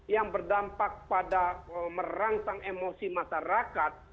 yang berdampak pada merangsang emosi masyarakat